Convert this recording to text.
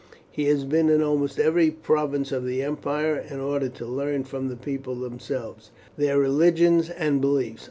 He has been in almost every province of the empire in order to learn from the people themselves their religions and beliefs.